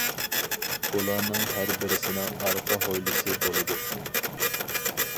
ئۇلارنىڭ ھەر بىرسىنىڭ ئارقا ھويلىسى بولىدۇ.